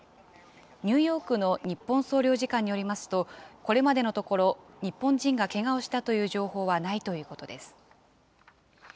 ニューヨークの日本総領事館によりますと、これまでのところ、日本人がけがをしたという情報はないということです。